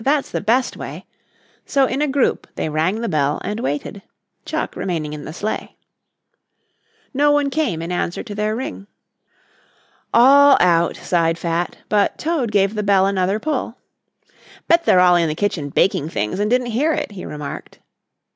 "That's the best way." So in a group they rang the bell and waited, Chuck remaining in the sleigh. No one came in answer to their ring. "All out," sighed Fat; but Toad gave the bell another pull. "Bet they're all in the kitchen baking things and didn't hear it," he remarked.